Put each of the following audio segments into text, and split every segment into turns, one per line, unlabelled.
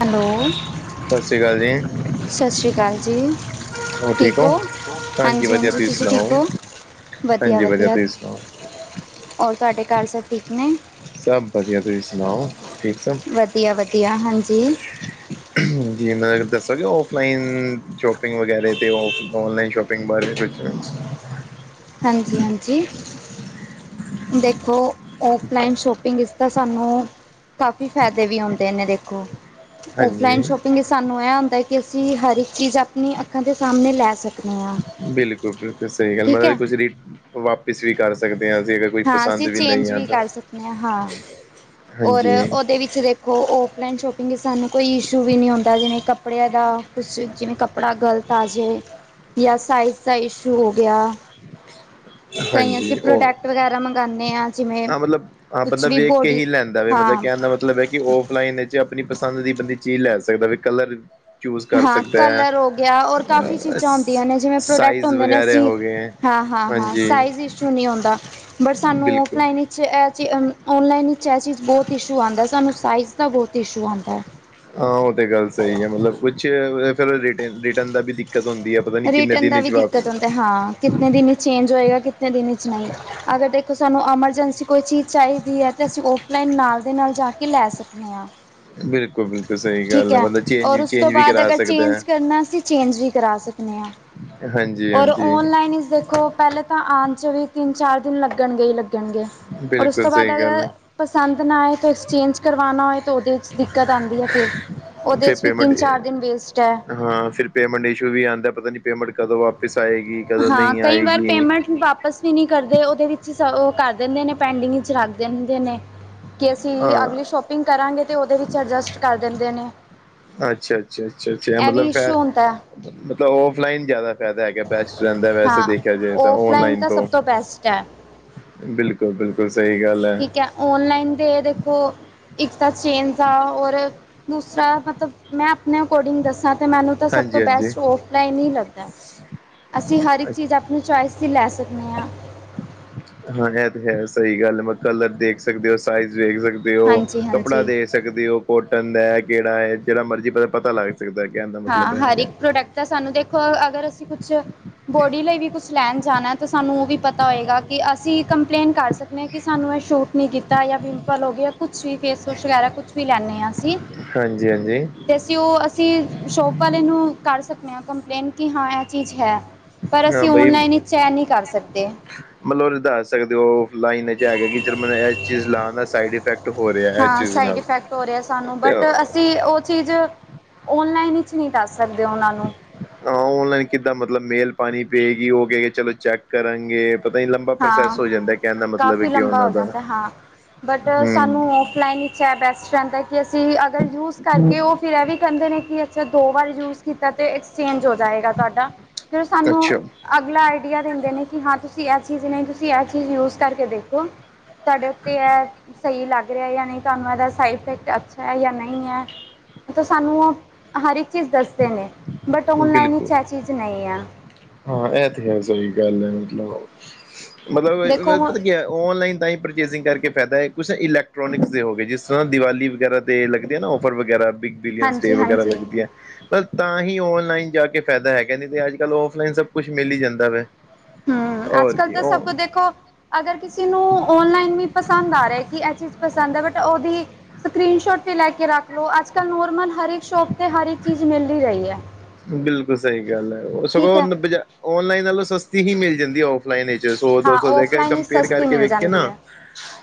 Hello
ਸਤਿ ਸ਼੍ਰੀ ਅਕਾਲ ਜੀ
ਸਤਿ ਸ਼੍ਰੀ ਅਕਾਲ ਜੀ ਠੀਕ ਹੋ ਹਾਂਜੀ ਹਾਂਜੀ ਤੁਸੀਂ ਠੀਕ ਹੋ
ਹਾਂਜੀ ਵਧੀਆ ਤੁਸੀਂ ਸੁਣਾਓ
ਹੋਰ ਤੁਹਾਡੇ ਘਰ ਸਭ ਠੀਕ ਨੇ
ਸਭ ਵਧੀਆ ਤੁਸੀਂ ਸੁਣਾਓ ਠੀਕ ਸਭ
ਵਧੀਆ ਵਧੀਆ ਹਾਂਜੀ
[inaudible] ਹਾਂਜੀ ਮੈ ਦਸਿਆ ਔਫਲਾਈਨ ਸ਼ੋਪਿੰਗ ਵਗੈਰਾ ' ਔਫ ਔਨਲਾਈਨ ਸ਼ੋਪਿੰਗ ਬਾਰੇ
ਹਾਂਜੀ ਹਾਂਜੀ ਦੇਖੋ ਔਫਲਾਈਨ ਸ਼ੋਪਿੰਗ ਇਸ ਤਾਂ ਸਾਨੂੰ ਕਾਫੀ ਫਾਇਦੇ ਵੀ ਆਉਂਦੇ ਨੇੇ ਦੇਖੋ ਔਫਲਾਈਨ
ਹਾਂਜੀ
ਸ਼ੋਪਿੰਗ ਸਾਨੂੰ ਇਹ ਹੁੰਦਾ ਕਿ ਅਸੀਂ ਹਰ ਇੱਕ ਚੀਜ਼ ਆਪਣੀ ਅੱਖਾਂ ਦੇ ਸਾਹਮਣੇ ਲੈ ਸਕ
ਬਿਲਕੁਲ ਬਿਲਕੁਲ ਸਹੀ ਗੱਲ ਮਤਲਬ
ਹੈ
ਕੁਝ ਵਾਪਿਸ ਵੀ ਕਰ ਸਕਦੇ ਹਾਂ ਅਸੀਂ ਅ
ਹਾਂ ਅਸੀਂ ਚੇਂਜ ਵੀ ਕਰ ਸਕਦੇ ਹਾਂ ਹਾਂ ਔਰ
ਹਾਂਜੀ
ਉਹਦੇ ਵਿੱਚ ਦੇਖੋ ਉਹ ਔਨਲਾਈਨ ਸ਼ੋਪਿੰਗ ' ਸਾਨੂੰ ਕੋਈ ਇਸ਼ੂ ਵੀ ਨਹੀਂ ਹੁੰਦਾ ਜਿਵੇਂ ਕੱਪੜਿਆਂ ਦਾ ਕੁਛ ਜਿਵੇਂ ਕੱਪੜਾ ਗਲਤ ਆ ਜਾਵੇ ਜਾਂ ਸਾਈਜ਼ ਚ ਇਸ਼ੂ ਹੋ ਗਿਆ ਕਈ ਅਸੀਂ
ਹਾਂਜੀ ਉਹ
ਪ੍ਰੋਡੈਕਟ ਵਗੈਰਾ ਮੰਗਵਾਉਂਦੇ ਹਾਂ ਜਿਵੇਂ
ਹਾਂ ਮਤਲਬ ਹਾਂ
ਕੁਛ
ਬੰਦਾ
ਵੀ
ਵੇਖ ਕੇ
ਬੋਡੀ
ਹੀ ਲੈਂਦਾ ਵ ਮਤਲਬ
ਹਾਂ
ਕਹਿਣ ਦਾ ਮਤਲਬ ਹੈ ਕਿ ਔਫਲਾਈਨ ਆਪਣੀ ਪਸੰਦ ਦੀ ਬੰਦੀ ਚੀਜ਼ ਲੈ ਸਕਦਾ ਵੀ ਕਲਰ ਚੂਜ਼ ਕਰ
ਹਾਂ,
ਸਕਦਾ ਹੈ
ਕਲਰ ਹੋਗਿਆ ਔਰ ਕਾਫੀ ਚੀਜ਼ਾਂ ਹੁੰਦੀਆਂ ਨੇਂ ਜਿਵੇਂ ਪ੍ਰੋਡਕਟ
ਸਾਈਜ਼
ਹੁੰਦੇ ਨੇਂ
ਵਗੈਰਾ
ਅਸੀ
ਹੋ ਗਏ ਹੈ
ਹਾਂ ਹਾਂ ਹਾਂ,
ਹਾਂਜੀ
ਸਾਈਜ਼ ਇਸ਼ੂ ਨਈਂ ਔਂਦਾ ਬਟ ਸਾਨੂੰ ਉਹ
ਬਿਲਕੁਲ
ਔਫਲਾਈਨ ਵਿੱਚ ਇਹ ਚ ਏ ਚ ਅਂ ਔਨਲਾਈਨ ਵਿੱਚ ਇਹ ਚੀਜ਼ ਬਹੁਤ ਇਸ਼ੂ ਆਂਦਾ, ਸਾਨੂੰ ਸਾਈਜ਼ ਦਾ ਬਹੁਤ ਇਸ਼ੂ ਆਂਦਾ।
ਹਾਂ ਉਹ ਤੇ ਗੱਲ ਸਹੀ ਐ, ਮਤਲਬ ਕੁਛ ਫਿਰ ਰਿ ਰਿਟਰਨ ਦਾ ਵੀ ਦਿੱਕਤ ਹੁੰਦੀ ਐ।
ਰਿਟਰਨ ਦਾ ਵੀ ਦਿੱਕਤ ਹੁੰਦਾ ਹਾਂ। ਕਿ ਕਿਤਨੇ ਦਿਨ ਚੇਂਜ ਹੋਏਗਾ, ਕਿਤਨੇ ਦਿਨ ਚ ਨਈਂ, ਅਗਰ ਦੇਖੋ ਸਾਨੂੰ ਐਮਰਜੈਂਸੀ ਕੋਈ ਚੀਜ਼ ਚਾਹੀਦੀ ਐ ਤਾਂ ਅਸੀਂ ਔਫ ਲਾਇਣ ਨਾਲ ਦੇ ਨਾਲ ਜਾ ਕੇ ਲੈ ਸਕਣੇ ਆਂ।
ਬਿਲਕੁਲ ਬਿਲਕੁਲ। ਸਹੀ
ਠੀਕ
ਗੱਲ ਹੈ
ਐ,
ਬੰਦਾ ਚੇਂਜ
ਔਰ
ਵੀ
ਉਸ ਤੋਂ
ਚੇਂਜ ਵੀ
ਬਾਅਦ
ਕਰਾ
ਅਗਰ
ਸਕਦਾ
ਚੇਂਜ
ਹੈ
ਕਰਨਾ, ਅਸੀਂ ਚੇਂਜ ਵੀ ਕਰਾ ਸਕਦੇ ਆਂ।
ਹਾਂਜੀ।
ਔਰ
ਹਾਂਜੀ
ਔਨਲਾਈਨ ਇਸ ਦੇਖੋ ਪਹਿਲੇ ਤਾਂ ਆਉਣ ਚ ਵੀ ਤਿੰਨ-ਚਾਰ ਦਿਨ ਲੱਗਣਗੇ ਹੀ ਲੱਗਣਗੇ। ਔਰ ਉਸ
ਬਿਲਕੁਲ
ਤੋਂ ਬਾਅਦ
ਸਹੀ ਗੱਲ
ਅਗਰ
ਹੈ
ਪਸੰਦ ਨਾਂ ਆਏ, ਤੇਕਸਚੇਂਜ ਕਰਵਾਣਾ ਹੋਏ ਤੇ ਉਹਦੇ ਚ ਦਿੱਕਤ ਆਂਦੀ ਆ ਫਿਰ ਉਹਦੇ
ਫਿਰ
ਚ ਵੀ
ਪੇਮੈਂਟ
ਤਿੰਨ-ਚਾਰ ਦਿਨ ਵੇਸਟ ਐ।
ਹਾਂ ਫਿਰ ਪੇਮੈਂਟ ਇਸ਼ੂ ਵੀ ਆਂਦਾ, ਪਤਾ ਨੀਂ ਪੇਮੈਂਟ ਕਦੋਂ ਵਾਪਿਸ ਆਏਗੀ, ਕਦੋਂ
ਹਾਂ
ਨਹੀਂ
ਕਈ ਵਾਰ
ਆਏਗੀ।
ਪੇਮੈਂਟ ਵਾਪਸ ਵੀ ਨਈਂ ਕਰਦੇ, ਉਹਦੇ ਵਿੱਚ ਈ ਸ ਉਹ ਕਰ ਦਿੰਦੇ ਨੇਂ ਪੈਂਡਿੰਗ ਵਿੱਚ ਰੱਖ ਦਿੰਦੇ ਨੇਂ। ਕਿ ਅਸੀਂ ਅਗਲੀ
ਹਾਂ
ਸ਼ੋਪਿੰਗ ਕਰਾਂਗੇ ਅਤੇ ਉਹਦੇ ਵਿੱਚ ਐਡਜਸਟ ਕਰ ਦਿੰਦੇ ਨੇਂ।
ਅੱਛਾ ਅੱਛਾ ਅੱਛਾ ਅੱਛਾ, ਮਤਲਬ
ਇਸ਼ੂ
ਫ
ਹੁੰਦਾ ਹੈ
ਮਤਲਬ ਔਫਲਾਈਨ ਜ਼ਿਆਦਾ ਫੈਦਾ ਹੈਗਾ ਬੈਸਟ ਰਹਿੰਦਾ ਵੈਸੇ
ਹਾਂ
ਦੇਖਿਆ ਜਾਏ ਤਾਂ
ਔਫਲਾਈਨ
ਔਨਲਾਈਨ
ਤਾਂ ਸਭ
ਤੋਂ
ਬੈਸਟ ਹੈ
ਬਿਲਕੁਲ ਬਿਲਕੁਲ ਸਹੀ ਗੱਲ ਐ।
ਠੀਕ ਹੈ ਔਨਲਾਈਨ ਦੇ ਦੇਖੋ ਇੱਕ ਤਾਂ ਚੇਂਜ ਦਾ ਔਰ ਦੂਸਰਾ ਮਤਲਬ ਮੈਂ ਆਪਣੇ ਅਕੋਰਡਿੰਗ ਦੱਸਾਂ ਅਤੇ ਮੈਨੂੰ ਤਾਂ ਸਭ ਤੋਂ
ਹਾਂਜੀ ਹਾਂਜੀ
ਬੈਸਟ ਓਫ ਲਾਇਣ ਈ ਲੱਗਦਾ। ਅਸੀਂ ਹਰ ਇੱਕ ਚੀਜ਼ ਆਪਣੀ ਚੁਆਇਸ ਦੀ ਲੈ ਸਕਦੇ ਹਾਂ।
ਹਾਂ ਇਹ ਤੇ ਹੈ ਸਹੀ ਗੱਲ ਮ ਕਲਰ ਦੇਖ ਸਕਦੇ ਹੋ, ਸਾਈਜ਼ ਦੇੇਖ ਸਕਦੇ ਹੋ,
ਹਾਂਜੀ
ਕੱਪੜਾ
ਹਾਂਜੀ
ਦੇਖ ਸਕਦੇ ਹੋ, ਕੋਟਨ ਦਾ ਕਿਹੜਾ ਹੈ? ਜਿਹੜਾ ਮਰਜ਼ੀ ਪਤਾ ਪਤਾ ਲੱਗ ਸਕਦਾ ਕਹਿ ਦਾ ਮਤਲਬ ਹੈਗਾ।
ਤਾਂ ਸਾਨੂੰ ਦੇਖੋ ਅਗਰ ਅਸੀਂ ਕੁਛ ਬੋਡੀ ਲਈ ਵੀ ਕੁਛ ਲੈਣ ਜਾਣਾ ਤਾਂ ਸਾਨੂੰ ਉਹ ਵੀ ਪਤਾ ਹੋਏਗਾ ਕਿ ਅਸੀਂ ਕੰਪਲੇਂਨ ਕਰ ਸਕਦੇ ਹਾਂ ਕਿ ਸਾਨੂੰ ਇਹ ਛੋਟ ਨਈਂ ਕੀਤਾ ਜਾਂ ਪਿੰਪਲ ਹੋ ਗਿਆ ਕੁਛ ਵੀ ਫੇਸਵਾਸ਼ ਵਗੈਰਾ ਕੁਛ ਵੀ ਲੈਂਦੇ ਆਂ ਅਸੀਂ
ਹਾਂਜੀ ਹਾਂਜੀ
ਤੇ ਅਸੀਂ, ਉਹ ਅਸੀਂ, ਸ਼ੋਪ ਵਾਲੇ ਨੂੰ, ਕਰ ਸਕਦੇ ਹਾਂ ਕੰਪਲੇਂਨ ਕਿ ਹਾਂ ਇਹ ਚੀਜ਼ ਹੈ। ਪਰ
ਹਾਂ
ਅਸੀਂ
ਬਈ
ਔਨਲਾਈਨ ਇਚ ਏ ਨਈਂ ਕਰ ਸਕਦੇ।
ਮਤਲਬ ਦੱਸ ਸਕਦੇ ਹੋ ਲਾਈਨ ਚ ਹੈਗਾ ਕਿ ਚ ਮੈਨੂੰ ਇਸ ਚੀਜ਼ ਲਾਣ ਦਾ ਸਾਈਡ ਇਫੈਕਟ ਹੋ ਰਿਹਾ ਇਸ
ਹਾਂ
ਚੀਜ਼
ਸਾਈਡ
ਨਾਲ
ਇਫੈਕਟ ਹੋ ਰਿਹਾ ਸਾਨੂੰ,
ਤੇ
ਬਟ ਅਸੀਂ ਸੀ ਉਹ ਚੀਜ਼ ਔਨਲਾਈਨ ਇੱਚ ਨਈਂ ਦੱਸ ਸਕਦੇ ਉਹਨਾਂ ਨੂੰ
ਹਾਂ, ਓਨਲਾਈਨ ਕਿੱਦਾਂ ਮਤਲਬ, ਮੇਲ ਪਾਣੀ ਪਏਗੀ। ਉਹ ਕਹਿ ਗੇ ਚਲੋ ਚੈੱਕ ਕਰਨਗੇ ਪਤਾ ਹੀ ਲੰਬਾ
ਹਾਂ
ਪ੍ਰੋਸੈਸ ਹੋ ਜਾਂਦਾ, ਕਹਿਣ ਦਾ ਮਤਲਬ
ਕਾਫੀ
ਕਿਉਂ
ਲੰਬਾ
ਉਹਨਾਂ
ਹੋ
ਦਾ
ਜਾਂਦਾ ਹਾਂ। ਬਟ
ਹੂੰ
ਸਾਨੂੰ ਔਫਲਾਈਨ ਵਿੱਚ ਬੈਸਟ ਰਹਿੰਦਾ ਕਿ ਅਸੀਂ ਅਗਰ ਯੂਜ ਕਰਕੇ ਉਹ ਫਿਰ ਇਹ ਵੀ ਕਹਦੇ ਨੇਂ ਕਿ ਅੱਛਾ ਦੋ ਵਾਰ ਯੂਸ ਕੀਤਾ ਤੇ ਐਕਸਚੇਂਜ ਹੋ ਜਾਏਗਾ ਤੁਹਾਡਾ, ਫਿਰ ਸਾਨੂੰ
ਅੱਛਾ
ਅਗਲਾ ਆਈਡੀਆ ਦਿੰਦੇ ਨੇਂ, ਕਿ ਹਾਂ ਤੁਸੀਂ ਇਹ ਚੀਜ਼ ਨਈਂ, ਤੁਸੀਂ ਇਹ ਚੀਜ਼ ਯੂਜ ਕਰਕੇ ਦੇਖੋ। ਤੁਹਾਡੇ ਉੱਤੇ ਇਹ ਸਹੀ ਲੱਗ ਰਿਹਾ ਜਾਂ ਨਹੀਂ ਤੁਹਾਨੂੰ ਇਹਦਾ ਸਾਈਡਇਫੇਕਟ ਅੱਛਾ ਹੈ ਜਾਂ ਨਹੀਂ ਐ। ਤਾਂ ਸਾਨੂੰ ਉਹ ਹਰ ਇੱਕ ਚੀਜ਼ ਦੱਸਦੇ ਨੇਂ, ਬਟ ਓਨਲਾਈਨ
ਬਿਲਕੁਲ
ਵਿੱਚ ਇਹ ਚੀਜ਼ ਨਹੀਂ ਐ।
ਹਾਂ ਇਹ ਤੇ ਹੈ ਸਹੀ ਗੱਲ ਹੈ ਮਤਲਬ
ਦੇਖੋ
ਮਤਲਬ
ਹੁਣ
[inaudible] ਔਨਲਾਈਨ [unintelligible] ਪਰਚੇਸਿੰਗ ਕਰਕੇ ਫਾਇਦਾ ਐ, ਕੁਛ ਨਾਂ ਇਲੈਕਟ੍ਰੋਨਿਕਸ ਦੇ ਹੋ ਗਏ, ਜਿਸ ਤਰ੍ਹਾਂ ਦੀਵਾਲੀ ਵਗੈਰਾ ਦੇ ਲੱਗਦੇ ਆ ਨਾਂ ਔਫਰ ਵਗੈਰਾ। ਬੀ ਬਿਲੀਅੰਸ ਡੇ ਵਗੈਰਾ
ਹਾਂਜੀ-ਹਾਂਜੀ।
ਲੱਗਦੀਆਂ ਤਾਂ ਹੀ ਔਨ ਲਾਈਨ ਜਾ ਕੇ ਫ਼ਾਇਦਾ ਹੈਗਾ ਨੀਂ ਤੇ ਅੱਜ-ਕੱਲ੍ਹ ਔਫਲਾਈਨ ਸਭ ਕੁਛ ਮਿਲ ਹੀ ਜਾਂਦਾ ਵੇ।
ਹਂ, ਅਜ-ਕਲ ਤਾਂ ਸਭ ਕੁ ਦੇਖੋ ਅਗਰ ਕਿਸੇ ਨੂੰ ਔਨਲਾਈਨ ਵੀ ਪਸੰਦ ਆ ਰਿਹਾ ਕਿ ਇਹ ਚੀਜ਼ ਪਸੰਦ ਐ ਬਟ ਉਹਦੀ ਸਕਰੀਨ ਸ਼ੋਟ ਤੇ ਲੈ ਕੇ ਰੱਖ ਲੋ ਅੱਜ-ਕੱਲ੍ਹ ਨੋਰਮਲ ਹਰ ਏਕ ਸ਼ੋਪ ਤੇ ਹਰ ਇੱਕ ਚੀਜ਼ ਮਿਲ ਈ ਰਹੀ ਐ।
ਬਿਲਕੁਲ ਸਹੀ ਗੱਲ ਹੈ ਉਹ
ਠੀਕ
ਸਗੋਂ
ਐ।
ਔਨਲਾਈਨ ਨਾਲੋਂ ਸਸਤੀ ਹੀ ਮਿਲ ਜਾਂਦੀ ਉਹ ਨਹੀਂ ਨਹੀਂ ਜੀ ਸੋ ਦੋ
ਹਾਂ
ਸੋ ਦੇ ਕੇ
ਔਫਲਾਈਨ ਹੀ
ਕੰਪੇਅਰ
ਸਸਤੀ
ਕਰਕੇ
ਮਿਲ
ਵੇਖੀਏ
ਜਾਂਦੀ
ਨਾ
ਹੈ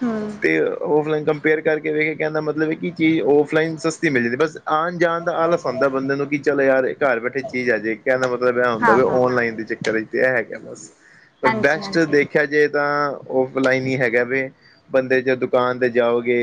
ਹੂੰ
ਤੇ। ਔਫਲਾਈਨ ਕੰਪੇਅਰ ਕਰਕੇ ਵੇਖ ਕੇ ਕਹਿੰਦਾ ਮਤਲਬ ਚੀਜ਼ ਔਫਲਾਈਨ ਸਸਤੀ ਮਿਲ ਜਾਂਦੀ ਬਸ ਆਉਣ ਜਾਣ ਦਾ ਆਲਸ ਹੁੰਦਾ ਬੰਦੇ ਨੂੰ ਕਿ ਚੱਲ ਯਾਰ ਘਰ ਬੈਠੇ ਚੀਜ਼ ਆ ਜਾਏਗੀ ਕਹਿਣ ਦਾ ਮਤਲਬ ਇਹ ਹੁੰਦਾ
ਹਾਂ
ਵੀ
ਹਾਂ
ਅਨਲਾਈਨ ਦੇ ਚੱਕਰ ਵਿੱਚ। ਇਹ ਹੈ ਕ ਬਸ ਪਰ
ਹਾਂਜੀ
ਬੈਸਟ ਦੇਖ।
ਹਾਂਜੀ
ਦੇਖਿਆ ਜੇ ਤਾਂ ਔਫਲਾਈਨ ਹੀ ਹੈਗਾ ਵੈ ਬੰਦੇ ਜੇ ਦੁਕਾਨ ਤੇ ਜਾਓਗੇ।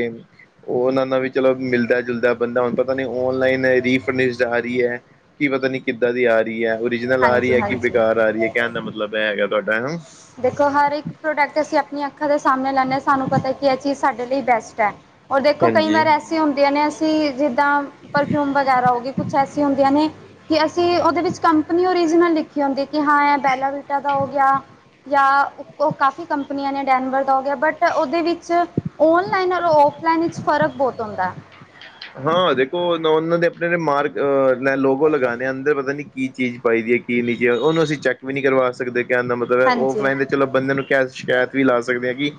ਉਹ ਦਾ ਵੀ ਚਲੋ ਮਿਲਦਾ ਜੁਲਦਾ ਬੰਦਾ ਹੁਣ ਪਤਾ ਨੀ। ਅਨਲਾਈਨ ਰੀ ਫਰਨੀਸ਼ਟ ਆ ਰਹੀ ਹੈ ਕੀ ਪਤਾ ਨੀ ਕਿੱਦਾਂ ਦੀ ਆ ਰਹੀ। ਓਰੀਜਨਲ ਆ ਰਹੀ
ਹਾਂਜੀ
ਹੈ ਕਿ
ਹਾਂਜੀ
ਬੇਕਾਰ ਆ ਰਹੀ ਹੈ ਕਹਿਣ ਦਾ ਮਤਲਬ ਇਹ ਹੈਗਾ ਤੁਹਾਡਾ ਹੈ।
ਦੇਖੋ ਹਰ ਇੱਕ ਪ੍ਰੋਡਕਟ ਅਸੀਂ ਆਪਣੀਆਂ ਅੱਖਾਂ ਦੇ ਸਾਹਮਣੇ ਲੈਂਦੇ ਹਾਂ ਸਾਨੂੰ ਪਤਾ ਕਿ ਇਹ ਚੀਜ਼ ਸਾਡੇ ਲਈ ਬੈਸਟ ਹੈ। ਔਰ ਦੇਖੋ ਕਈ
ਹਾਂਜੀ
ਵਾਰ ਐਸ। ਹੁੰਦੀਆਂ ਨੇ ਅਸੀਂ ਜਿੱਦਾਂ ਪਰਫਿਊਮ ਵਗੈਰਾ ਹੋ ਗਏ ਕੁਛ ਐਸੀ ਹੁੰਦੀਆਂ ਨੇ। ਕਿ ਅਸੀਂ ਉਹਦੇ ਵਿੱਚ ਕੰਪਨੀ ਓਰੀਜਨਲ ਲਿਖੀ ਹੁੰਦੀ ਕਿ ਹਾਂ ਇਹ ਬੇਲਾਵੀਟਾ ਦਾ ਹੋ ਗਿਆ। ਜਾਂ ਉਹ ਕਾਫੀ ਕੰਪਨੀਆਂ ਨੇ ਡੈਨਵਰ ਦਾ ਹੋ ਗਿਆ ਬਟ ਉਹਦੇ ਵਿੱਚ। ਔਨਲਾਈਨ ਔਰ ਔਫਲਾਈਨ ਵਿੱਚ ਫਰਕ ਬਹੁਤ ਹੁੰਦਾ।
ਹਾਂ ਦੇਖੋ ਉਹਨਾਂ ਦੇ ਆਪਣੇ ਮਾਰਗ ਅਹ ਲੈ ਲੋਗੋ ਲਗਾਣੇ ਹੁੰਦੇ ਆ ਅੰਦਰ ਪਤਾ ਨੀ। ਕੀ ਚੀਜ਼ ਪਾਈਦੀ ਹੈ ਕੀ ਨਹੀਂ ਚੀਜ਼ ਉਹਨੂੰ ਅਸੀਂ ਚੈੱਕ ਵੀ ਨਹੀਂ ਕਰਵਾ ਸਕਦੇ ਕਹਿਣ ਦਾ ਮਤਲਬ ਹੈ
ਹਾਂਜੀ
ਔਫਲਾਈਨ। ਚਲੋ ਬੰਦਿਆਂ ਨੂੰ ਕਹਿ ਸ਼ਿਕਾਇਤ ਵੀ ਲਾ ਸਕਦੇ ਹਾਂ ਕਿ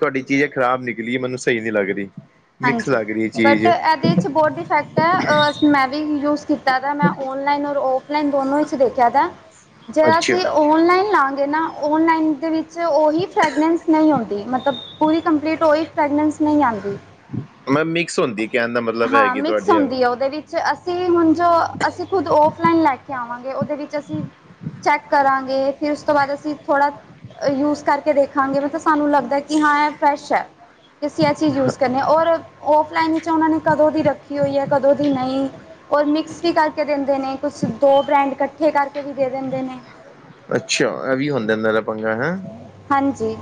ਤੁਹਾਡੀ ਚੀਜ਼ ਇਹ ਖਰਾਬ ਨਿਕਲੀ ਏ ਮੈਨੂੰ ਸਹੀ ਨੀ ਲੱਗ ਰਹੀ। ਮਿਕਸ
ਹਾਂਜੀ
ਲੱਗ ਰਹੀ ਹੈ
ਬਟ
ਚੀਜ਼
ਇਹਦੇ 'ਚ ਬਹੁਡ ਡੀਫੈਕਟ ਹੈ ਮੈਂ ਵੀ ਯੂਜ ਕੀਤਾ। ਜਿਆਦਾ ਮੈਂ ਔਨਲਾਈਨ ਔਰ ਔਫਲਾਈਨ ਦੋਨੋ ਵਿੱਚ ਦੇਖਿਆ ਤ ਜਿਹੜਾ
ਅੱਛਾ
ਅਸੀਂ, ਔਨਲਾਈਨ ਲਾਗੇ ਨਾ ਓਨਲਾਈਨ ਦੇ ਵਿੱਚ ਅਤੇ ਉਹ ਹੀ ਫਰੈਗਨੈਂਸ ਨਹੀਂ ਆਂਦੀ ਮਤਲਬ ਪੂਰੀ ਕੰਪਲੀਟ ਉਹੀ ਫਰੈਗਨੈਂਸ ਨਹੀਂ ਆਂਦੀ।
ਮੈਂ ਮਿਕਸ ਹੁੰਦੀ ਕਹਿਣ ਦਾ ਮਤਲਬ
ਹਾਂ
ਹੈਗੀ
ਮਿਕਸ
ਤੁਹਾਡਾ।
ਹੁੰਦੀ ਹੈ ਉਹਦੇ ਵਿੱਚ ਅਸੀਂ ਹੁਣ ਜੋ ਅਸੀਂ ਖੁਦ ਓਫਲਾਈਨ ਲੈ ਕੇ ਆਵਾਂਗੇ। ਉਹਦੇ ਵਿੱਚ ਅਸੀਂ ਚੈੱਕ ਕਰਾਂਗੇ ਫਿਰ ਉਸ ਤੋਂ ਬਾਅਦ ਅਸੀਂ ਥੋੜਾ ਯੂਜ ਕਰਕੇ ਦੇਖਾਂਗੇ। ਮਤਲਬ ਸਾਨੂੰ ਲੱਗਦਾ ਕਿ ਹਾਂ ਇਹ ਫਰੈਸ਼ ਹੈ ਤੇ ਅਸੀਂ ਇਹ ਚੀਜ਼ ਯੂਜ ਕਰਦੇ ਹਾਂ ਔਰ ਆਫਲਾਈਨ ਵਿੱਚ ਉਹਨਾਂ ਨੇ। ਕਦੋਂ ਦੀ ਰੱਖੀ ਹੋਈ ਹੈ ਕਦੋਂ ਦੀ ਨਹੀਂ। ਉਹ ਮਿਕਸ ਵੀ ਕਰਕੇ ਦਿੰਦੇ ਨੇ ਕੁਛ ਦੋ ਬ੍ਰੈਂਡ ਇਕੱਠੇ ਕਰਕੇ ਵੀ ਦੇ ਦਿੰਦੇ ਨੇ।
ਅੱਛਾ ਇਹ ਵੀ ਹੁੰਦਾ ਇਹਨਾਂ ਦਾ ਪੰਗਾ ਹੈ।
ਹਾਂਜੀ,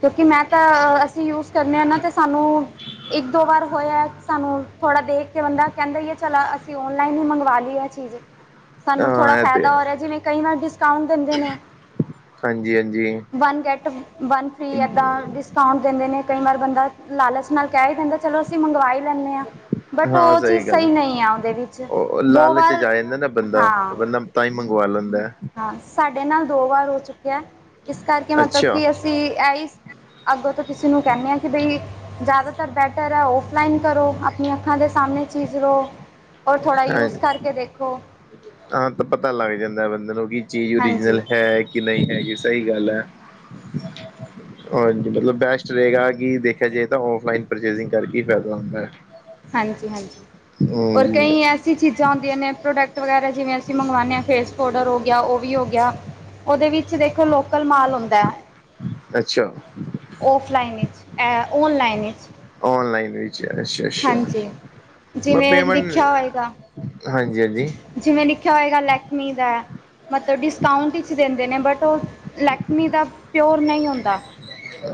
ਕਿਉਂਕਿ ਮੈਂ ਤਾਂ ਅਸੀਂ ਯੂਜ। ਕਰਨੇ ਆ ਨਾ ਤੇ ਸਾਨੂੰ ਇੱਕ ਦੋ ਵਾਰ ਹੋਇਆ। ਸਾਨੂੰ ਥੋੜਾ ਦੇਖ ਕੇ ਬੰਦਾ ਕਹਿੰਦਾ ਹੀ ਏ ਚਲ ਅਸੀਂ ਓਨਲਾਈਨ ਹੀ ਮੰਗਵਾ ਲਈਏ ਆ ਚੀਜ਼। ਸਾਨੂੰ ਥੋੜਾ
ਹਾਂ ਇਹ ਤੇ
ਫਾਇਦਾ
ਹੈ।
ਹੋ ਰਿਹਾ ਜਿਵੇਂ ਕਈ ਨਾਲ ਡਿਸਕਾਊਂਟ ਦਿੰਦੇ ਨੇ।
ਹਾਂਜੀ ਹਾਂਜੀ।
ਵਨ ਗੈਟ ਵਨ ਫ੍ਰੀ ਏਦਾਂ ਡਿਸਕਾਊਂਟ ਦਿੰਦੇ ਨੇ ਕਈ ਵਾਰ ਬੰਦਾ ਲਾਲਚ ਨਾਲ ਕਹਿ ਹੀ ਦਿੰਦਾ। ਚਲੋ ਅਸੀਂ ਮੰਗਵਾ ਈ ਲੈਂਦੇ ਹਾਂ। ਬਟ
ਹਾਂ
ਉਹ ਚੀਜ਼ ਸਹੀ
ਗੱਲ
ਨਹੀਂ ਆ ਉਹਦੇ ਵਿੱਚ
ਉਹ
ਦੋ
ਲਾਲਚ ਚ
ਵਾਰ
ਆ ਜਾਂਦਾ ਨਾ ਬੰਦਾ
ਹਾਂ।
ਬੰਦਾ ਤਾਂ ਹੀ ਮੰਗਵਾ ਲੈਂਦਾ।
ਹਾਂ ਸਾਡੇ ਨਾਲ ਦੋ ਵਾਰ ਹੋ ਚੁੱਕਿਆ ਇਸ ਕਰਕੇ ਮਤਲਬ
ਅੱਛਾ
ਕਿ ਅਸੀਂ ਆਹ ਹੀ। ਅੱਗੋਂ ਤੋਂ ਕਿਸੇ ਨੂੰ ਕਹਿੰਦੇ ਆ ਕਿ ਬਈ। ਜ਼ਿਆਦਾਤਰ ਬੈਟਰ ਹੈ ਔਫਲਾਈਨ ਕਰੋ ਆਪਣੀਆਂ ਅੱਖਾਂ ਦੇ ਸਾਹਮਣੇ ਚੀਜ਼ ਲਓ। ਔਰ ਥੋੜ੍ਹਾ
ਹਾਂ
ਯੂਜ ਕਰਕੇ ਦੇਖੋ
ਹਾਂ ਤਾਂ ਪਤਾ ਲੱਗ ਜਾਂਦਾ ਬੰਦੇ ਨੂੰ ਕਿ ਚੀਜ਼ ਓਰੀਜਨਲ
ਹਾਂਜੀ
ਹੈ ਕਿ ਨਹੀਂ ਹੈਗੀ ਸਹੀ ਗੱਲ ਹੈ। ਹਾਂਜੀ ਮਤਲਬ ਬੈਸਟ ਰਹੇਗਾ ਕਿ ਦੇਖਿਆ ਜਾਏ ਤਾਂ ਓਫਲਾਈਨ ਪਰਚੇਸਿੰਗ ਕਰਕੇ ਹੀ ਫਾਇਦਾ ਹੁੰਦਾ ਹੈ। ਠ
ਹਾਂਜੀ ਹਾਂਜੀ ਔਰ ਕਈ ਐਸੀ ਚੀਜ਼ਾਂ ਹੁੰਦੀਆਂ ਨੇ ਪ੍ਰੋਡ ਪ੍ਰੋਡਕਟ ਵਗੈਰਾ ਜਿਵੇਂ ਅਸੀਂ ਮੰਗਵਾਉਦੇ ਹਾਂ ਫੇਸ ਪਾਊਡਰ ਹੋ ਗਿਆ ਉਹ ਵੀ ਹੋ ਗਿਆ ਉਹਦੇ ਵਿੱਚ ਦੇਖੋ। ਲੋਕਲ ਮਾਲ ਹੁੰਦਾ
ਅੱਛਾ
ਉਫਲਾਈਨ ਵਿੱਚ ਔਨਲਾਈਨ ਵਿੱਚ
ਔਨਲਾਈਨ ਵਿੱਚ ਅੱਛਾ ਅੱਛਾ
ਹਾਂਜੀ
ਮ
ਜਿਵੇਂ
ਪੇਮੈਂਟ।
ਲਿਖਿਆ ਹੋਏਗਾ
ਹਾਂਜੀ, ਹਾਂਜੀ।
ਜਿਵੇਂ ਲਿਖਿਆ ਹੋਏਗਾ ਲੈਕਮੀ ਦਾ ਮਤਲਬ ਡਿਸਕਾਉਂਟ ਵਿੱਚ ਦਿੰਦੇ ਨੇ ਬਟ ਉਹ ਲੈਕਮੀ ਦਾ ਪਿਓਰ ਨਹੀਂ ਹੁੰਦਾ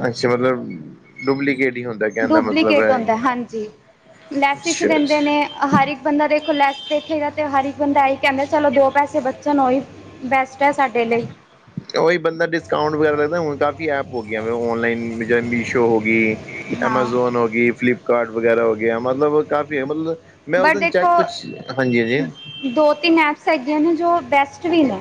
ਅੱਛਾ ਮਤਲਬ ਡੁਪਲਕੇਟ
ਡੁਪਲੀਕੇਟ ਹੁੰਦਾ ਹਾਂਜੀ ਲੈਸ 'ਇਚ
ਅੱਛਾ
ਦਿੰਦੇ
ਅੱਛਾ
ਨੇ ਹਰ ਇੱਕ ਬੰਦਾ ਦੇਖੋ ਲੈਸ ਦੇਖੇਗਾ ਤੇ ਹਰ ਇੱਕ ਬੰਦਾ ਆਈ ਕਹਿੰਦਾ ਚਲੋ ਦੋ ਪੈਸੇ ਬ ਚਨੋਈ ਬੈਸਟ ਸਾਡੇ ਲਈ
ਉਹੀ ਬੰਦਾ ਡਿਸਕਾਊਂਟ ਵਗੈਰਾ ਲੱਗਦਾ ਹੁਣ ਕਾਫੀ ਐਪ ਹੋ ਗਈਆਂ ਔਨਲਾਈਨ ਚਾਹੇ ਮੀਸ਼ੋ ਹੋ ਗਈ
ਹਾਂ
ਅਮਾਜ਼ੋਨ ਹੋ ਗ ਫਲਿਪ ਕਾਰਡ ਵਗੈਰਾ ਹੋਗਿਆ ਮਤਲਬ ਕਾਫੀ ਮਤਲਬ ਮੈਂ ਉਸ
ਬਟ
ਦਿ
ਦੇਖੋ
ਚੈਕ ਕੁਛ ਹਾਂਜੀ ਹਾਂਜੀ
ਦੋ ਤਿੰਨ ਐਪਸ ਹੈਗੀਆਂ ਨੇ ਜੋ ਬੈਸਟ ਵੀ ਨੇ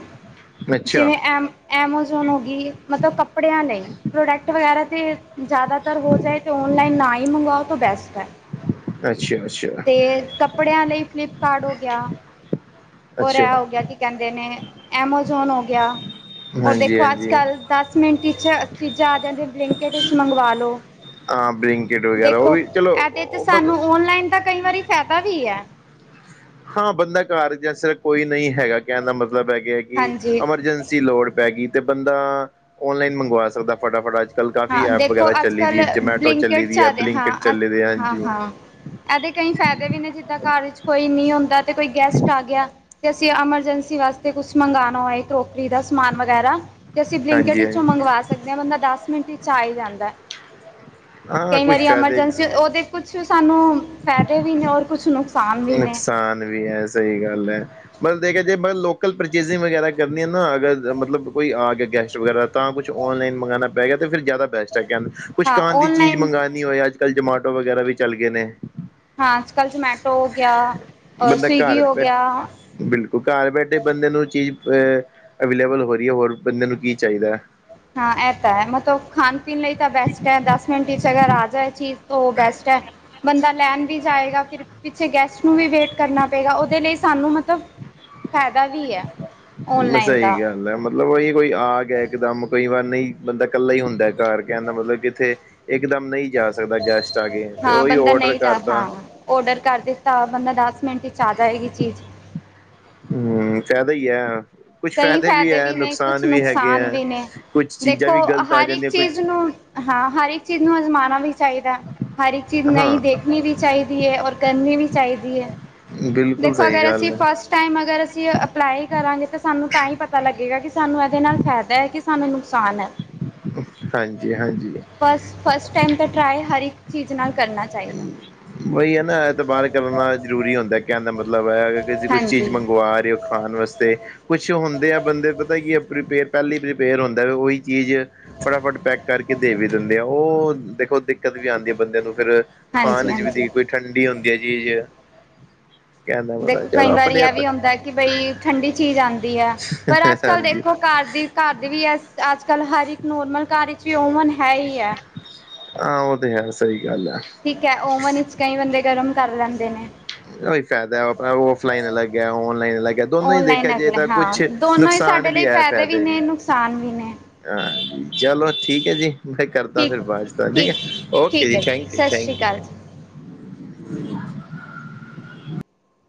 ਅੱਛਾ
ਜਿਵੇਂ ਐਮ ਐਮਾਜ਼ੋਨ ਹੋ ਗਈ ਮਤਲਬ ਕੱਪੜਿਆਂ ਲਈ ਪ੍ਰੋਡਕਟ ਵਗੈਰਾ ਤੇ ਜ਼ਿਆਦਾਤਰ ਹੋ ਜਾਏ ਤੇ ਓਨਲਾਈਨ ਨਾ ਹੀ ਮੰਗਵਾਓ ਤਾਂ ਬੈਸਟ ਹੈ
ਅੱਛਾ ਅੱਛਾ
ਤੇ ਕੱਪੜਿਆਂ ਲਈ ਫਲਿਪਕਾਰਟ ਹੋ ਗਿਆ ਰ ਰਹਿ
ਅੱਛਾ
ਹੋ ਗਿਆ ਕਿ ਕਹਿੰਦੇ ਨੇ ਐਮਾਜ਼ੋਨ ਹੋ ਗਿਆ ਉਹਰ
ਹਾਂਜੀ
ਦੇਖੋ ਅੱਜ
ਹਾਂਜੀ
ਕੱਲ੍ਹ ਦਸ ਮਿੰਟ ' ਚੀਜ਼ਾਂ ਆਦੀਆਂ ਅਤੇ ਬਲੈਂਕਟ 'ਚ ਮੰਗਵਾ ਲਉ
ਹਾਂ ਬਲਿੰਕਟ ਵਗੈਰਾ ਉਹ ਵੀ
ਇਹਦੇ
ਚਲੋ
ਤੇ
ਬ
ਸਾਨੂੰ ਔਨਲਾਈਨ ਦਾ ਕਈ ਵਾਰੀ ਫਾਇਦਾ ਵੀ ਹੈ
ਹਾਂ ਬੰਦਾ ਘਰ ਜਾਂ ਸਿਰਫ ਕੋਈ ਨਹੀਂ ਹੈਗਾ ਕਹਿਣ ਦਾ ਮਤਲਬ ਹੈਗੇ
ਹਾਂਜੀ
ਐਮਰਜੈਂਸੀ ਲੋੜ ਪੈ ਗਈ ਤੇ ਬੰਦਾ ਔਨਲਾਈਨ ਮੰਗਵਾ ਸਕਦਾ ਫਟਾਫਟਾ ਅ ਕੱਲ੍ਹ ਕਾਫ਼ੀ ਐਪ ਵਗੈਰਾ ਚੱਲੀ ਦੀ ਹੈ ਜਮੈਟੋ ਚੱਲੀ
ਬਲਿੰਕਟ
ਦੀ ਹੈ
ਚੱਲ ਰਿਹਾ
ਬਲਿੰਕਟ
ਹਾਂ
ਚੱਲੀ
ਅ- ਹਾਂ
ਹਾਂਜੀ
ਹਾਂ ਇਹਦੇ ਕਈ ਫਾਇਦੇ ਵੀ ਨੇ ਜਿੱਦਾਂ ਘਰ ਵਿੱਚ ਕੋਈ ਨਹੀਂ ਹੁੰਦਾ ਤੇ ਕੋਈ ਗੈਸਟ ਆ ਗਿਆ ਅਤੇ ਅਸੀਂ ਐਮਰਜੈਂਸੀ ਵਾਸਤੇ ਕੁਛ ਮੰਗਵਾਉਣਾ ਹੈਏ ਰੋਕਰੀ ਦਾ ਸਮਾਨ ਵਗੈਰਾ ਤੇ ਅਸੀਂ ਬਲਿੰਕਟ
ਹਾਂਜੀ
ਵਿੱਚੋਂ
ਹਾਂਜੀ
ਮੰਗਵਾ ਸਕਦੇ ਹਾਂ ਬੰਦਾ ਦੱਸ ਮਿੰਟ ਚ ਆ ਹੀ ਜਾਂਦਾ
ਹਾਂ
ਕਈ
ਕੁਛ
ਵਾਰੀ
ਫਾਇਦੇ
ਐਮਰਜੈਂਸੀ ਉਹਦੇ ਕੁਛ ਸਾਨੂੰ ਫ਼ਾਇਦੇ ਵੀ ਨੇ ਔਰ ਕੁਛ ਨੁਕਸ
ਨੁਕਸਾਨ ਵੀ ਹੈ ਸਹੀ ਗੱਲ ਹੈ ਮ ਦੇਖਿਆ ਜੇ ਲੋਕਲ ਪਰਚੇਜਿੰਗ ਵਗੈਰਾ ਕਰਨੀ ਹੈ ਨਾ ਅਗਰ ਮਤਲਬ ਕੋਈ ਆ ਗਿਆ ਗੈਸਟ ਵਗੈਰਾ ਤਾਂ ਕੁਛ ਔਨਲਾਈਨ ਮੰਗਉਣਾ ਪੈ ਗਿਆ ਤੇ ਫਿਰ ਜ਼ਿਆਦਾ ਬੈਸਟ ਹੈ ਕ ਕੁਛ
ਹਾਂ
ਖਾਣ ਦੀ ਚੀਜ਼
ਔਨਲਾਈਨ
ਮੰਗਉਣੀ ਹੋਏ ਅੱਜ ਕੱਲ੍ਹ ਜਮਾਟੋ ਵਗੈਰਾ ਵੀ ਚੱਲ ਗਏ ਨੇ
ਹਾਂ ਅੱਜ ਕੱਲ੍ਹ ਜਮੈਟੋ ਹੋ ਗਿਆ
ਬੰਦਾ
ਸਵਿਗੀ
ਘਰ
ਹੋ
ਬੈਠ
ਗਿਆ
ਬਿਲਕੁਲ ਘਰ ਬੈਠੇ ਬੰਦੇ ਨੂੰ ਚੀਜ਼ ਅਵੇਲੇਬਲ ਹੋ ਰਹੀ ਹੈ ਹੋਰ ਬੰਦੇ ਨੂੰ ਕੀ ਚਾਹੀਦਾ
ਹਾਂ ਇਹ ਤਾਂ ਹੈ ਮਤਲਬ ਖਾਣ ਪੀਣ ਲਈ ਤਾਂ ਬੈਸਟ ਹੈ ਦਸ ਮਿੰਟ ਵਿੱਚ ਅਗਰ ਆ ਜਾਏ ਚੀਜ਼ ਤਾਂ ਉਹ ਬੈਸਟ ਹੈ ਬੰਦਾ ਲੈਣ ਵੀ ਜਾਏਗਾ ਫਿਰ ਪਿੱਛੇ ਗੈਸਟ ਨੂੰ ਵੀ ਵੇਟ ਕਰਨਾ ਪਏਗਾ ਉਹਦੇ ਲਈ ਸਾਨੂੰ ਮਤਲਬ ਫਾਇਦਾ ਵੀ ਹੈ
ਮੈਂ
ਔਨਲਾਈਨ
ਸਹੀ
ਦਾ
ਗੱਲ ਹੈ ਮਤਬ ਮਤਲਬ ਉਹੀ ਕੋਈ ਆ ਗਿਆ ਇੱਕਦਮ ਕਈ ਵਾਰ ਨਹੀਂ ਬੰਦਾ ਇਕੱਲਾ ਹੀ ਹੁੰਦਾ ਘਰ ਕਹਿੰਦਾ ਮਤਲਬ ਕਿ ਇੱਥੇ ਇਕ ਦਮ ਨਹੀਂ ਜਾ ਸਕਦਾ ਗੈਸਟ ਆ ਕੇ ਤੇ
ਹਾਂ
ਉਹੀ
ਬੰਦਾ
ਔਡਰ
ਨਹੀਂ ਜਾ
ਕਰਤਾ
ਹਾਂ ਔਡਰ ਕਰ ਦਿੱਤਾ ਬੰਦਾ ਦਸ ਮਿੰਟ 'ਚ ਆ ਜਾਵੇਗੀ ਚੀਜ਼
ਹਮ ਫਾਇਦਾ ਹੀ ਹੈ ਕੁਛ
ਕਈ ਫਾਇਦੇ
ਹੈ
ਵੀ ਨੇ ਕੁਛ
ਨੁਕਸਾਨ ਵੀ ਹੈਗੇ
ਨੁਕਸਾਨ
ਹੈ
ਵੀ ਨੇ
ਕੁਛ ਚੀਜ਼ਾਂ
ਦੇਖੋ
ਵੀ ਗ਼ਲਤ ਆ
ਹਰ ਇੱਕ
ਜਾਂਦੀਆਂ ਕੁਝ
ਚੀਜ਼ ਨੂੰ ਹਾਂ ਹਰ ਇੱਕ ਚੀਜ਼ ਨੂੰ ਅਜਮਾਨਣਾ ਵੀ ਚਾਹੀਦਾ ਹਰ ਇੱਕ ਚੀਜ਼ ਨਹੀਂ
ਹਾਂ
ਦੇਖਣੀ ਵੀ ਚਾਹੀਦੀ ਹੈ ਔਰ ਕਰਨੀ ਵੀ ਚਾਹੀਦੀ ਹੈ
ਬਿਲਕੁਲ
ਦੇਖੋ
ਸਹੀ
ਅਗਰ ਅਸੀਂ
ਗੱਲ ਹੈ
ਫਸਟ ਟਾਈਮ ਅਗਰ ਅਸੀਂ ਅਪਲਾਈ ਕਰਾਂਗੇ ਤਾਂ ਸਾਨੂੰ ਤਾਂ ਹੀ ਪਤਾ ਲੱਗੇਗਾ ਕਿ ਸਾਨੂੰ ਇਹਦੇ ਨਾਲ ਫਾਇਦਾ ਹੈ ਕਿ ਸਾਨੂੰ ਨੁਕਸਾਨ ਹੈ
ਹਾਂਜੀ ਹਾਂਜੀ
ਬਸ ਫਸਟ ਟਾਈਮ ਤਾਂ ਟਰਾਏ ਹਰ ਇੱਕ ਚੀਜ਼ ਨਾਲ ਕਰਨਾ ਚਾਹੀਦਾ।
ਹੂ ਬਹੀ ਹੈ ਨਾ ਇਹਤ ਬਾਹਰ ਕਰਨਾ ਜ਼ਰੂਰੀ ਹੁੰਦਾ ਹੈ ਕਹਿਨ ਦਾ ਮਤਲਬ ਹੈ ਤੁਸੀਂ ਕੁਛ ਚੀਜ਼
ਹਾਂਜੀ,
ਮੰਗਵਾ ਰਹੇ ਹੋ ਖਾਣ ਵਾਸਤੇ ਕੁਛ ਹੁੰਦੇ ਆ ਬੰਦੇ ਪਤਾ ਕੀ ਪ੍ਰੀਪੇਅਰ ਪਹਿਲੀ ਪ੍ਰੀਪੇਅਰ ਹੁੰਦੇ ਨੇ ਉਹੀ ਚੀਜ਼ ਫਟਾਫਟ ਪੈਕ ਕਰਕੇ ਕੇ ਦੇ ਵੀ ਦਿੰਦੇ ਆ ਉਹ ਦੇਖੋਖ ਦਿੱਕਤ ਵੀ ਆਦੀ ਹੈ ਬੰਦੇ ਨੂੰ ਫਿਰ
ਹਾਂਜੀ,
ਖਾਣ ਚ ਵੀ ਦੇ
ਹਾਂਜੀ
ਕੋਈ ਠੰਡੀ ਹੁੰਦੀ ਏ ਚੀਜ਼ ਕਹਿੰਦਾ ਪਤਾ
ਦੇਖੋ
ਚਲੋ
ਕਈ ਵਾਰੀ
ਆਪਣੇ
ਇਹ
ਆਪ
ਵੀ ਹੁੰਦਾ ਕਿ ਬਈ ਠੰਡੀ ਚੀਜ਼ ਆਦੀ ਹੈ ਪਰ ਅੱਜ-ਕੱਲ੍ਹ
ਹਾਂਜੀ
ਦੇਖੋ ਘਰ ਦੀ ਘਰ ਦੇ ਵੀ ਹੈ ਅੱਜ-ਕੱਲ੍ਹ ਹਰ ਇੱਕ ਨੋਰਮਲ ਘੱਰ ਵਿੱਚ ਵੀ ਓਵਨ ਹੈ ਹੀ ਹੈ।
ਆਹ ਉਹ ਤੇ ਹੈ ਸਹੀ ਗੱਲ ਐ।
ਠੀਕ ਹੈ ਓਵਨ ਵਿੱਚ ਕਈ ਬੰਦੇ ਗਰਮ ਕਰ ਲੈਂਦੇ ਨੇ
ਉਹਹੀ ਫਾਇਦਾ ਆਪਣਾ ਔਫਲਾਈਨ ਅਲੱਗ ਹੈ ਔਨਲਾਈਨ ਅਲੱਗ ਹੈ ਦੋਨੋਂ ਹੀ ਦੇਖਿਆ
ਔਨਲਾਈਨ
ਜਾਵੇ
ਅਗਲਾ
ਤਾਂ
ਹਾਂ
ਕੁੱਛ ਨੁਕਸਾਨ ਵੀ ਹੈ ਫ਼ਾਇਦੇ ਵੀ
ਸਾਨ ਵੀ ਨੇ
ਹਾਂ ਚੱਲੋ ਠੀਕ ਐ ਜੀ ਕਰਤਾ
ਠੀਕ
ਫਿਰ ਬਾਾਜਤਾ ਠੀਕ ਹੈ। ਓਕੇ
ਠੀਕ
ਜੀ
ਹੈ
ਥੈਂਕ
ਸਤਿ
ਯੂ-ਥੈਂਕ
ਸ਼੍ਰੀ ਅਕਾਲ
ਯੂ
ਜੀ